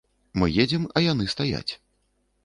Мы едзем, а яны стаяць.